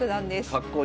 かっこいい。